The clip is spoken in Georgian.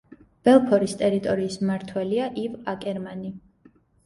ბელფორის ტერიტორიის მმართველია ივ აკერმანი.